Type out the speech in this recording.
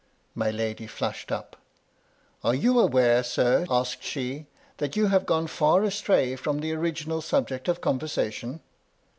My lady flushed up, " Are you aware, sir," asked she, " that you have gone far astray from the original subject of conversation?